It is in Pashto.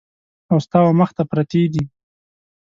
او ستا ومخ ته پرتې دي !